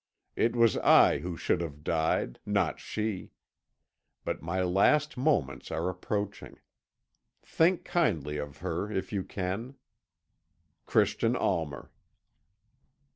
It was I who should have died, not she; but my last moments are approaching. Think kindly of her if you can. "Christian Almer."